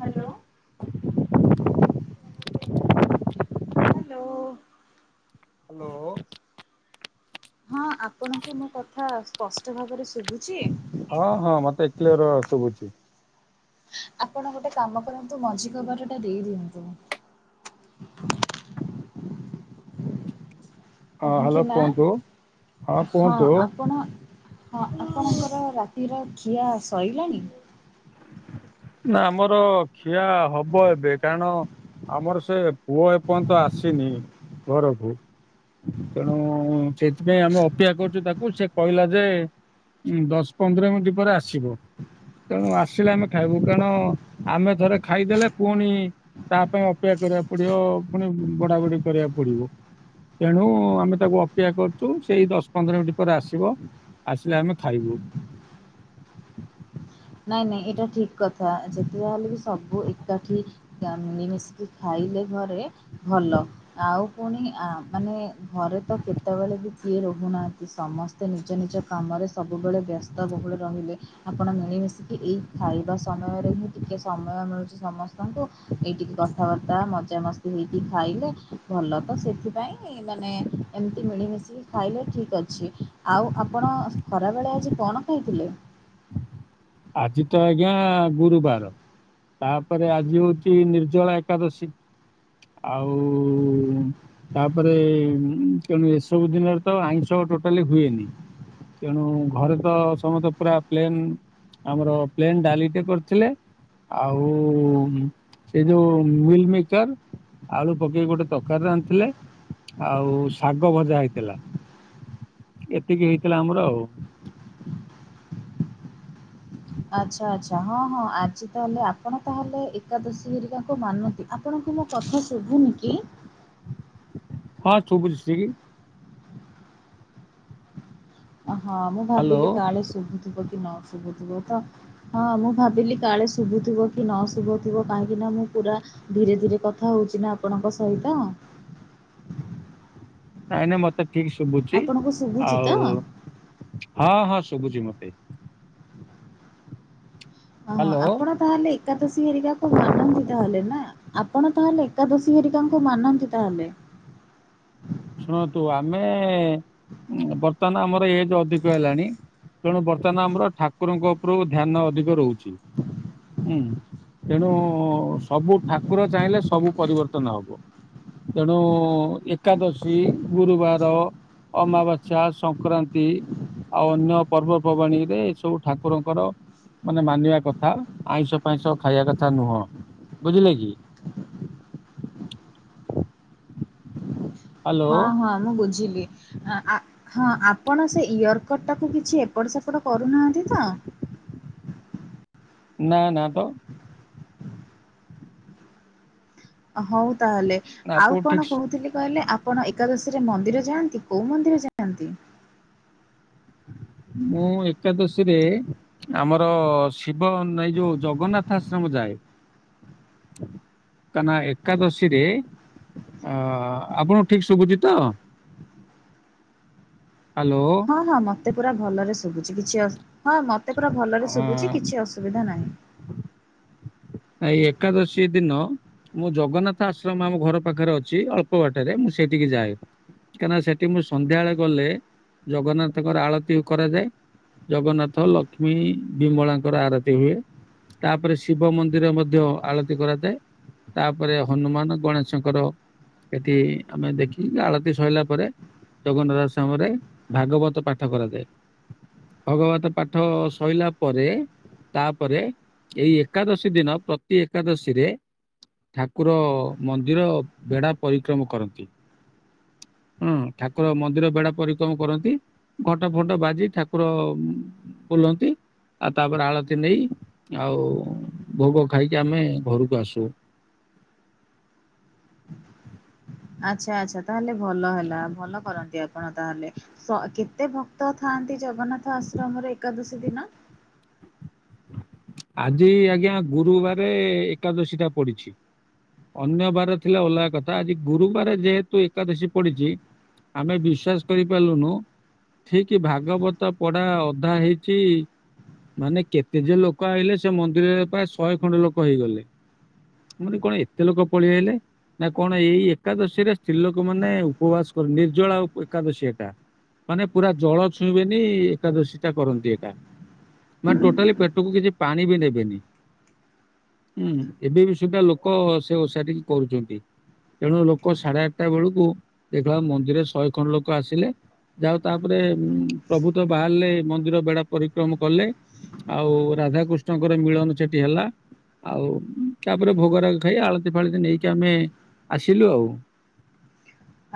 Hello. Hello. Hello. ହଁ ଆପଣଙ୍କୁ ମୋ କଥା ସ୍ପଷ୍ଟ ଭାବରେ ଶୁଭୁଚି। ହଁ ହଁ ମତେ କ୍ଲିୟର ଶୁଭୁଚି। ଆପଣ ଗୋଟେ କାମ କରନ୍ତୁ ମଝି କବାଟଟା ଦେଇଦିଅନ୍ତୁ। ହଁ ହ୍ୟାଲୋ କାହିଁକି ନା କୁହନ୍ତୁ ହଁ ଆପଣ ହଁ ଆପଣଙ୍କର ରାତିର ଖିଆ ଶଇଲାଣି? ନା ଆମର ଖିଆ ହବ ଏବେ କାରଣ ଆମର ସେ ପୁଅ ଏପନ୍ତ ଆସିନି ଘରକୁ। ତେଣୁ ସେଇଥିପାଇଁ ଆମେ ଅପେକ୍ଷା କରିଚୁ ତାକୁ ସେ କହିଲା ଯେ ଦଶ ପନ୍ଦର ମିନିଟ ପରେ ଆସିବ ତେଣୁ ଆସିଲେ ଆମେ ଖାଇବୁ। କାରଣ ଆମେ ଥରେ ଖାଇଦେଲେ ପୁଣି ତା ପାଇଁ ଅପେକ୍ଷା କରିବାକୁ ପଡିବ ପୁଣି ବଢା ବଢି କରିବାକୁ ପଡିବ। ତେଣୁ ଆମେ ତାକୁ ଅପେକ୍ଷା କରୀଚୁ ସେଏଇ ଦଶ ପନ୍ଦର ମିନିଟ୍ ପରେ ଆସିବ। ଆସିଲେ ଆମେ ଖାଇବୁ। ନାଇଁ ନାଇଁ ଏଇଟା ଠିକ କଥା ଯେତେ ଯାହା ହେଲେ ବି ସବୁ ଏକାଠି [unintelligible] ମିଳି ମିଶିକି ଖାଇଲେ ଘରେ ଭଲ। ଆଉ ପୁଣି ଆ ମାନେ ଘରେ ତ କେତେବଳେ ବି କିିଏ ରୋ ହୁନାହାନ୍ତି ସମ ସେ ନିଜ ନିଜ କାମରେ ସବୁବେଳେ ବ୍ୟସ୍ତ ବୋହୁଳ ରହିଲେ ଆପଣ ମିଳିମିଶି ଏଇ ଖାଇବା ସମୟରେ ହିଁ ଟିକେ ସମୟ ମିଳୁଚି ସମସ୍ତଙ୍କୁ। ଏଇଠି କଥାବାର୍ତ୍ତା ମଜା ମସ୍ତି ହେଇକି ଖାଇଲେ ଭଲ ତ ସେଥିପାଇଁ ମାନେ ଏମିତି ମିଳିମିଶି ଖାଇଲେ ଠିକ୍ ଅଛି। ଆଉ ଆପଣ ଖରାବେଳେ ଆଜି କଣ ଖାଇଥିଲେ? ଆଜି ତ ଆଜ୍ଞା ଗୁରୁବାର। ତାପରେ ଆଜି ହୋଉଚି ନିର୍ଜଳା ଏକାଦଶୀ। ଆଉ ତାପରେ ତେଣୁ ଏସବୁ ଦିନରେ ତ ଆଇଁଷ ଟୋଟାଲି ହୁଏନି। ତେଣୁ ଘରେ ତ ସମସ୍ତେ ପୁରା ପ୍ଲେନ ଆମର ପ୍ଲେନ୍ ଡାଲିଟେ କରିଥିଲେ। ଆଉ ସେ ଯୋଉ ମିଲମିକର। ଆଳୁ ପକେଇକି ଗୋଟେ ତକାରୀ ରାନ୍ଧିଥିଲେ ଆଉ ଶାଗ ଭଜା ହେଇଥିଲା। ଏତିକି ହେଇଥିଲା ଆମର ଆଉ ଆଚ୍ଛା ଆଚ୍ଛା ହଁ ହଁ ଆଜି ତାହେଲେ ଆପଣ ତାହେଲେ ଏକାଦଶୀ ହେରିକା ଲୋକ ମାନନ୍ତି ଆପଣଙ୍କୁ ମୋ କଥା ଶୁଭୁନି କି? ହଁ ଶୁଭୁଚି ଠିକ୍ ଓ ହଁ ମୁଁ ହ୍ୟାଲୋ ଭାବିଲି କାଳେ ଶୁଭୁଥିବ କି ନ ଶୁଭୁଥିବ ତ ହଁ ମୁଁ ଭାବିଲି କାଳେ ଶୁଭୁଥିବ କି ନ ଶୁଭୁଥିବ କାହିଁକି ନା ମୁଁ ପୁରା ଧୀରେ ଧୀରେ କଥା ହୋଉଚି ନା ଆପଣଙ୍କ ସହିତ ନାଇଁ ନାଇଁ ମତେ ଠିକ ଶୁଭୁଚି ଆପଣଙ୍କୁ ଶୁଭୁଛି ତ? ଆଉ ହଁ ହଁ ଶୁଭୁଚି ମତେ ଓ ହଁ ହ୍ୟାଲୋ ଆପଣ ତାହେଲେ ଏକାଦଶୀ ହେରିକାକୁ ମାନନ୍ତିିତାହେଲେ ନା? ଆପଣ ତାହେଲେ ଏକାଦଶୀ ହେରିକାଙ୍କୁ ମାନନ୍ତି ତାହେଲେ? ଶୁଣନ୍ତୁ ଆମେ ଏ ବର୍ତ୍ତମାନ ଆମର ଏଜ୍ ଅଧିକ ହେଲାଣି। ତେଣୁ ବର୍ତ୍ତମାନ ଆମର ଠାକୁରଙ୍କ ଉପରୁ ଧ୍ୟାନ ଅଧିକ ରୋହୁଚି। ହୁଁ। ତେଣୁ ସବୁ ଠାକୁର ଚାହିଁଲେ ସବୁ ପରିବର୍ତ୍ତନ ହବ। ତେଣୁ ଏକାଦଶୀ, ଗୁରୁବାର ଅମାବାସ୍ୟା, ସଂକ୍ରାନ୍ତି ଆଉ ଅନ୍ୟ ପର୍ବପର୍ବାଣୀରେ ଏ ସବୁ ଠାକୁରଙ୍କର ମାନେ ମାନିବା କଥା, ଆଇଁଷ ଫାଇଁଷ ଖାଇବା କଥା ନୁହଁ। ବୁଝିଲେ କି? ହ୍ୟାଲୋ ହଁ ହଁ ମୁଁ ବୁଝିଲି। ଆଁ ଆ ହଁ ଆ ଆପଣ ସେ ଇୟରକଟ ଟାକୁ କିଛି ଏପଟ ସେପଟ କରୁନାହାନ୍ତି ତ? ନା ନା ତ ହଉ ତାହେଲେ। ଆପଣଙ୍କୁ ଆଉ କଣ ଠିକ କହୁଥିଲି କହିଲେ ଆ ଆପଣ ଏକାଦଶୀରେ ମନ୍ଦିର ଯାଆନ୍ତି? କୋଉ ମନ୍ଦିର ଯାଆନ୍ତି? ମୁଁ ଏକାଦଶୀରେ ଆମର ଶିବ ନଈ ଯୋଉ ଜଗନ୍ନାଥ ଆଶ୍ରମ ଯାଏ। କାଇଁ ନା ଏକାଦଶୀରେ ଅ ଆପଣ ଙ୍କୁ ଠିକ ଶୁଭୁଛି ତ? ହ୍ୟାଲୋ। ହଁ ହଁ ମତେ ପୁରା ଭଲରେ ଶୁଭୁଛି କିଛି ଅସ, ହଁ ମତେ ପୁରା ଅ ଭଲରେ ଶୁଭୁଛି କିଛି ଅସୁବିଧା ନାହିଁ। ଏଇ ଏକାଦଶୀ ଦିିନ ମୁଁ ଜଗନ୍ନାଥ ଆଶ୍ରମ ଆମ ଘର ପାଖରେ ଅଛି, ଅଳ୍ପ ବାଟରେ ମୁଁ ସେଇଠିକି ଯାଏ। କାଇଁନା ସେଠି ମୁଁ ସନ୍ଧ୍ୟାବେଳେ ଗଲେ ଜଗନ୍ନାଥଙ୍କର ଆଳତି କରାଯାଏ। ଜଗନ୍ନାଥ, ଲକ୍ଷ୍ମୀ, ବିମଳାଙ୍କର ଆରତି ହୁଏ। ତାପରେ ଶିବ ମନ୍ଦ ନ୍ଦିର ମଧ୍ୟ ଆଳତି କରାଯାଏ। ତାପରେ ହନୁମାନ, ଗଣେଶଙ୍କର ସେଠି ଆମେ ଦେଖି, ଆଳତି ସଇଲା ପରେ ଜଗନ୍ନା [unintelligible] ସମ ରେ ଭାଗବତ ପାଠ କରାଯାଏ। ଭଗବତ ପାଠ ସଇଲା ପରେ, ତାପରେ ଏଇ ଏକାଦଶୀ ପ୍ରତିଦିନ ପ୍ରତି ଏକାଦଶୀ ରେ ଠାକୁର ମନ୍ଦିର ବେଢା ପରିକ୍ରମ କରନ୍ତି। ହୁଁ ଠାକୁର ମନ୍ଦିର ବେଢା ପରିକ୍ରମ କରନ୍ତି। ଘଣ୍ଟ ଫଣ୍ଟ ବାଜି ଠାକୁର ଉଁ ବୁଲନ୍ତି। ଆଉ ତାପରେ ଆଳତି ନେଇ ଆଉ ଭୋଗ ଖାଇକି ଆମେ ଘରକୁ ଆସୁ। ଆଚ୍ଛା। ଆଚ୍ଛା। ତାହେଲେ ଭଲ ହେଲା। ଭଲ କରନ୍ତି ଆପଣ ତାହେଲେ। ସ କେତେ ଭକ୍ତ ଥାଆନ୍ତି ଜଗନ୍ନାଥ ଆଶ୍ରମରେ ଏକାଦଶୀ ଦିନ? ଆଜି ଆଜ୍ଞା ଗୁରୁବାରେ ଏକାଦଶୀ ଟା ପଡିଛି। ଅନ୍ୟ ବାର ଥିଲେ ଅଲଗା କଥା ଆଜି ଗୁରୁବାରେ ଯେହେତୁ ଏକାଦଶୀ ପଡିଛି ଆମେ ବିଶ୍ୱାସ କରିପାରିଲୁନୁ। ଠିକି ଭାଗବତ ପଢା ଅଧା ହେଇଛି, ମାନେ କେତେ ତେଜେ ଲୋକ ଆଇଲେ ସେ ମନ୍ଦିରରେ ପ୍ରାୟ ଶହେ ଖଣ୍ଡେ ଲୋକ ହେଇଗଲେ। ଏମିତି କଣ ଏତେ ଲୋକ ପଳେଇଆଇଲେ? ନା କଣ ଏଇ ଏକାଦଶୀ ରେ ସ୍ତ୍ରୀ ଲୋକ ମାନେ ଉପବାସ କରି ନିର୍ଜଳା ଉପ ଏକାଦଶୀ ଏକା। ମାନେ ପୁରା ଜଳ ଛୁଇଁବେନି ଏକାଦଶୀଟା କରନ୍ତି ଏକା। ମାନେ ଟୋଟାଲି ପେଟକୁ କିଛି ପାଣି ବି ନେବେନି। ହୁଁ ହୁଁ, ଏବେ ବି ସୁଦ୍ଧା ଲୋକ ସେ ଓଷା ଟିକି କରୁଛନ୍ତି। ତେଣୁ ଲୋକ ସାଢେ ଆଠଟା ବେଳକୁ ଦେଖିଲା ମନ୍ଦିରେ ଶହେ ଖଣ୍ଡେ ଲୋକ ଆସିଲେ। ଯାହା ହଉ ତାପରେ ଉଁ ପ୍ରଭୁ ତ ବାହାରଲେ ମନ୍ଦିର ବେଢା ପରିକ୍ରମ କଲେ। ଆଉ ରାଧାକୃଷ୍ଣଙ୍କର ମିଳନ ସେଠି ହେଲା। ଆଉ ଉଁ ତାପରେ ଭୋଗରାଗ ଖାଇ ଆଳତି ଫାଳତି ନେଇକି ଆମେ ଆସିଲୁ ଆଉ।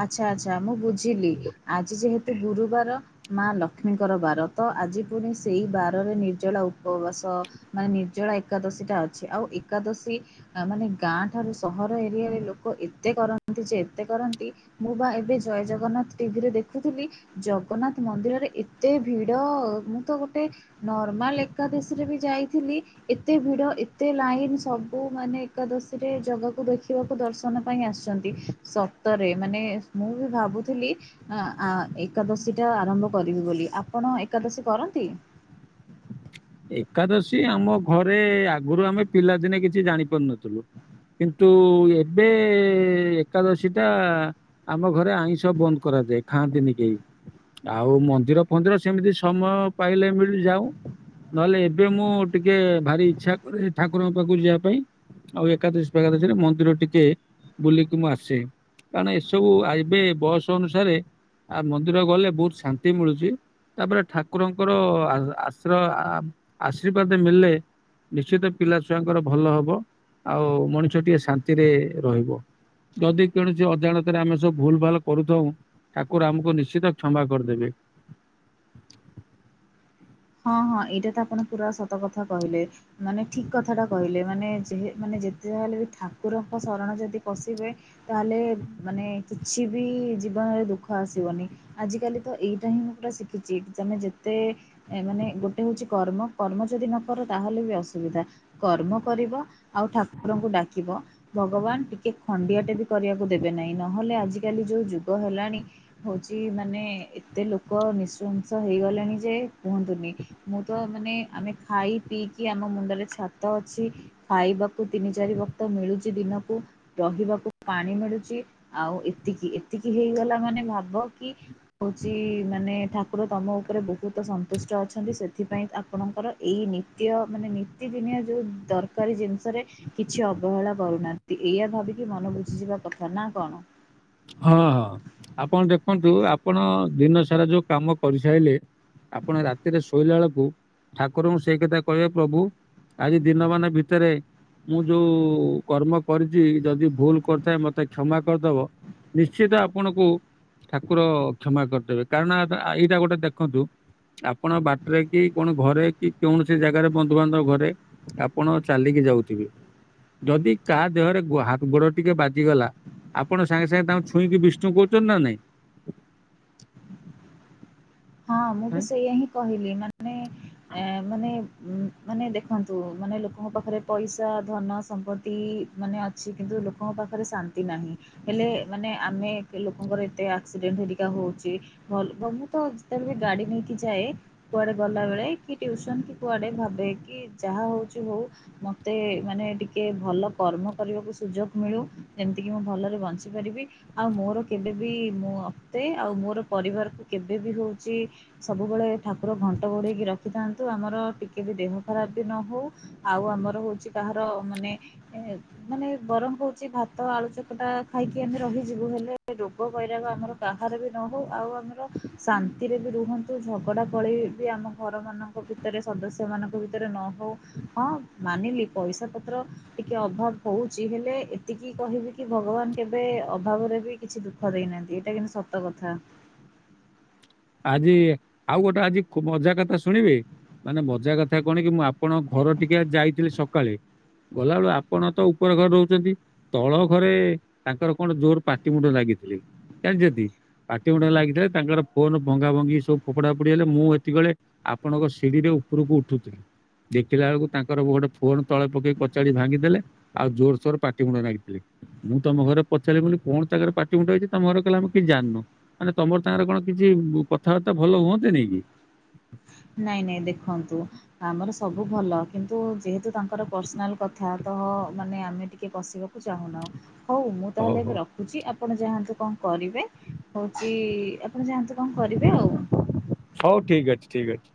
ଆଚ୍ଛା ଆଚ୍ଛା ମୁଁ ବୁଝିଲି ଆଜି ଯେହେତୁ ଗୁରୁବାର ମା ଲକ୍ଷ୍ମୀଙ୍କର ବାର ତ ଆଜି ପୁଣି ସେଇ ବାରରେ ନିର୍ଜଳା ଉପ୍ ଉପବାସ ମାନେ ନିର୍ଜଳା ଏକାଦଶୀଟା ଅଛି ଆଉ ଏକାଦଶୀ ନା ମାନେ ଗାଁ ଠାରୁ ସହର ଏରିଆରେ ଲୋକ ଏତେ କରନ୍ତି ଯେ ଏତେ କରନ୍ତି ମୁଁ ବା ଏବେ ଜୟ ଜଗନ୍ନାଥ୍ ଟିଭିରେ ଦେଖୁଥିଲି ଜଗନ୍ନାଥ୍ ମନ୍ଦିରରେ ଏତେ ଭିଡ ମୁଁ ତ ଗୋଟେ ନର୍ମାଲ ଏକାଦଶୀରେ ବି ଯାଇଥିଲି ଏତେ ଭିଡ ଏତେ ଲାଇନ୍ ସବୁ ମାନେ ଏକାଦଶୀରେ ଜାଗାକୁ ଦେଖିବାକୁ ଦର୍ଶନ ପାଇଁ ଆସିଚନ୍ତି। ସତରେ ମାନେ ମୁଁ ବି ଭାବୁଥିଲି ଆଁ -ଆଁ ଏକାଦଶୀଟା ଆରମ୍ଭ କରିବି ବୋଲି। ଆପଣ ଏକାଦଶୀ କରନ୍ତି? ଏକାଦଶୀ ଆମ ଘରେ ଆଗୁରୁ ଆମେ ପିଲାଦିନେ କିଛି ଜାଣି ପାରୁନଥିଲୁ। କିନ୍ତୁ ଏବେ ଏକାଦଶୀଟା ଆମ ଘରେ ଆଇଁଷ ବନ୍ଦ୍ କରାଯାଏ ଖାଆନ୍ତିନି କେହି। ଆଉ ମନ୍ଦିର ଫନ୍ଦିର ସେମିତି ସମୟ ପାଇଲେ ମିଳି ଯାଉ। ନହେଲେ ଏବେ ମୁଁ ଟିକେ ଭାରି ଇଚ୍ଛା କରେ ଯେ ଠାକୁରଙ୍କ ପାଖକୁ ଯିବା ପାଇଁ। ଆଉ ଏକାଦଶୀ ଫେକାଦଶୀରେ ମନ୍ଦିର ଟିକେ ବୁଲିକି ମୁଁ ଆସେ। କାରଣ ଏସବୁ ଆ ଏବେ ବୟସ ଅନୁସାରେ ଆ ମନ୍ଦିର ଗଲେ ବହୁତ୍ ଶାନ୍ତି ମିଳୁଚି। ତାପରେ ଠାକୁରଙ୍କର ଆ-ଆଶ୍ରୟ-ଆ ଆ-ଆଶୀର୍ବାଦେ ମିଳିଲେ ନିଶ୍ଚିତ ପିଲା ଛୁଆଙ୍କର ଭଲ ହବ ଆଉ ମଣିଷ ଟିକେ ଶାନ୍ତିରେ ରହିବ। ଯଦି କେଣୋସି ଅଜାଣତରେ ଆମେ ସବୁ ଭୁଲ ଭାଲ୍ କରୁଥଉ ଠାକୁର ଆମକୁ ନିଶ୍ଚିତ କ୍ଷମା କରିଦେବେ। ହଁ ହଁ ଏଇଟା ତ ଆପଣ ପୁରା ସତକଥା କହିଲେ। ମାନେ ଠିକ କଥାଟା କହିଲେ ମାନେ ଯେ ମାନେ ଯେତେ ଯାହାହେଲେ ବି ଠାକୁରଙ୍କ ଶରଣ ଯଦି ପଶିବେ ତାହେଲେ ମାନେ କିଛି ବି ଜୀବନରେ ଦୁଃଖ ଆସିବନି। ଆଜ କାଲି ତ ଏଇଟା ହିଁ ମୁଁ ପୁରା ଶିଖିଚି ତମେ ଯେତେ ଏ ମାନେ ଗୋଟେ ହଉଚି କର୍ମ କର୍ମ ଯଦି ନ କର ତାହେଲେ ବି ଅସୁବିଧା। କର୍ମ କରିବ ଆଉ ଠାକୁରଙ୍କୁ ଡାକିବ। ଭଗବାନ୍ ଟିକେ ଖଣ୍ଡିଆଟେ ବି କରିଆକୁ ଦେବେ ନାଇଁ। ନହେଲେ ଆଜିିକାଲି ଯୋଉ ଯୁଗ ହେଲାଣି ହଉଚି ମାନେ ଏତେ ଲୋକ ନିଶୃଂସ ହେଇଗଲେଣି ଯେ କୁହନ୍ତୁନି। ମୁଁ ତ ମାନେ ଆମେ ଖାଇ ପିଇକି ଆମ ମୁଣ୍ଡରେ ଛାତ ଅଛି ଖାଇବାକୁ ତିନି ଚାରି ବକ୍ତ ମିଳୁଚି ଦିନକୁ। ରହିବାକୁ ପାଣି ମିଳୁଚି ଆଉ ଏତିକି-ଏତିକି ହେଇଗଲା ମାନେ ଭାବ କି ହଉଚି ମାନେ ଠାକୁର ତମ ଉପରେ ବହୁତ ସନ୍ତୁଷ୍ଟ ଅଛନ୍ତି ସେଥିପାଇଁ ଆପଣଙ୍କର ଏଇ ନି ତ୍ୟ ମାନେ ନୀତିଦିନିଆ ଯୋଉ ଦରକାରୀ ଜିନିଷରେ କିଛି ଅବହେଳା କରୁନାହା ନ୍ତି ଏଇୟା ଭାବିକି ମନ ବୁଝିଯିବା କଥା ନା କଣ। ହଁ ହଁ ଆପଣ ଦେଖନ୍ତୁ ଆପଣ ଦିନ ସାରା ଯୋଉ କାମ କରିସାଇଲେ ଆପଣ ରାତିରେ ଶୋଇଲା ବେଳକୁ ଠାକୁରଙ୍କୁ ସେଇ କଥା କହିବେ ପ୍ରଭୁ ଆଜି ଦିନମାନ ଭିତେରେ ମୁଁ ଯୋଉ କର୍ମ କରିଚି ଯଦି ଭୁଲ କରିଥାଏ ମତେ କ୍ଷମା କରିଦବ। ନିଶ୍ଚିତ ଆପଣଙ୍କୁ ଠାକୁର କ୍ଷମା କରିଦେବେ। କାରଣ ଆ ତା ଏଇଟା ଗୋଟେ ଦେଖନ୍ତୁ ଆପଣ ବାଟରେ କି କଣ ଘରେ କି କୌଣସି ଜାଗାରେ ବନ୍ଧୁବାନ୍ଧବ ଘରେ ଆପଣ ଚାଲିକି ଯାଉଥିବେ। ଯଦି କାହା ଦେହରେ ଗୋ- ହା ଗୋଡ ଟିକେ ବାଜିଗଲା ଆପଣ ସାଙ୍ଗେ ସାଙ୍ଗେ ତାଙ୍କୁ ଛୁଇଁକି ବିଷ୍ଣୁ କରୁଚ ନା ନାଇଁ। ହଁ ମୁଁ ବି ଏଁ, ସେଇୟା ହିଁ କହିଲି ମାନେ ଏଁ ମାନେ ଉଁ ମାନେ ଦେଖନ୍ତୁ ମାନେ ଲୋକଙ୍କ ପାଖରେ ପଇସା ଧନ ସମ୍ପତ୍ତି ମାନେ ଅଛି କିନ୍ତୁ ଲୋକଙ୍କ ପାଖରେ ଶାନ୍ତି ନାହିଁ। ହେଲେ ମାନେ ଆମେ ଏତେ ଲୋକଙ୍କର ଏତେ ଆକ୍ସିଡେଣ୍ଟ ହେରିକା ହଉଛି ଭଲ ତ ତ ବି ଗାଡ଼ି ନେଇକି ଯଏ [inaudible] କୁଆଡେ ଗଲା ବେଳେ କି ଟିଉସନ କି କୁଆଡେ ଭାବେ କି ଯାହା ହଉଛି ହଉ। ମୋତେ ମାନେ ଟିକେ ଭଲ କର୍ମ କରିବାକୁ ସୁଯୋଗ ମିଳୁ ଯେମିତିକି ମୁଁ ଭଲରେ ବଞ୍ଚିପାରିବି। ଆଉ ମୋର କେବେବି ମୁଁ ଅତେ ଆଉ ମୋର ପରିବାର କୁ କେବେ ବି ହଉଛି। ସବୁବେଳେ ଠାକୁର ଘଣ୍ଟ ଘୋଡ଼େଇକି ରଖିଥାନ୍ତୁ ଆମର ଟିକେ ବି ଦେହ ଖରାପ ବି ନ ହେଉ ଆଉ ଆମର ହଉଛି କାହାର ମାନେ ମାନେ ବରଂ କହୁଛି ଭାତ ଆଳୁ ଚକଟା ଖାଇକି ଆମେ ରହିଯିବୁ ହେଲେ ରୋଗ ବୈରାଗ ଆମର କାହାର ବି ନ ହଉ ଆଉ ଆମର ଶାନ୍ତି ସେଥିରେ ବି ରୁହନ୍ତୁ ଝଗଡ଼ା କଳି ବି ଆମ ଘରମାନଙ୍କ ଭିତରେ ସଦସ୍ୟମାନଙ୍କ ଭିତରେ ନ ହେଉ ହଁ ମାନିଲି ପଇସା ପତ୍ର ଟିକେ ଅଭାବ ହଉଛି ହେଲେ ଏତିକି କହିବି କି ଭଗବାନ କେବେ ଅଭାବରେ ବି କିଛି ଦୁଃଖ ଦେଇନାହାନ୍ତି ଏଇଟା କିନ୍ତୁ ସତ କଥା। ଆଜି ଆଉ ଗୋଟେ ଆଜି ମଜା କଥା ଶୁଣିବେ ମାନେ ମଜା କଥା କଣ କି ମୁଁ ଆପଣ ଘର ଟିକେ ଯାଇଥିଲି ସକାଳେ ଗଲାବେଳୁ ଆପଣ ତ ଉପର ଘରେ ରହୁଛନ୍ତି। ତଳ ଘରେ ତାଙ୍କର କଣ ଜୋର ପାଟି ମୁଣ୍ଡ ଲାଗିଥିଲେ। ଜାଣିଛନ୍ତି ପାଟି ମୁୁଣ୍ଡ ଲାଗିଥିଲେ ତାଙ୍କର ଫୋନ ଭଙ୍ଗା ଭଙ୍ଗି ସବୁ ଫୋପଡା ଫୋପଡି ହେଲେ ମୁଁ ଏତିକିବେଳେ ଆପଣଙ୍କ ସିଡିିରେ ଉପରକୁ ଉଠୁଥିଲି। ଦେଖିଲା ବେଳକୁ ତାଙ୍କର ଗୋଟେ ଫୋନ ତଳେ ପକେଇ କଚାଡି ଭାଙ୍ଗିଦେଲେ। ଆଉ ଜୋରସୋର ପାଟି ମୁୁଣ୍ଡ ଲାଗିଥିଲେ। ମୁଁ ତମ ଘରେ ପଚାରି ବୋଲି କଣ ତାଙ୍କର ପାଟି ମୁଣ୍ଡ ହୋଇଛି ତମ ଘରେ କହିଲ ଆମେ କିଛି ଜାଣିନୁ ମାନେ ତମର ତାଙ୍କର କଣ କିଛି କଥାବାର୍ତ୍ତା ଭଲ ହୁଅନ୍ତ ନିକି ନାଇଁ ନାଇଁ ଦେଖନ୍ତୁ ଆମର ସବୁ ଭଲ କିନ୍ତୁ ଯେହେତୁ ତାଙ୍କର ପର୍ସନାଲ୍ କଥା ତ ମାନେ ଆମେ ଟିକେ ପଷିବାକୁ ଚାହୁଁନାହୁଁ ହଉ ମୁଁ ତାହେଲେ ଏବେ ରଖ ରଖୁଛି ଆପଣ ଯାଆନ୍ତୁ କଣ କରିବେ ହଉଛି ଆପଣ ଯାଆନ୍ତୁ କଣ କରିବେ ଆଉ ହଉ ଠିକ ଅଛି ଠିକ ଅଛି [inaudible]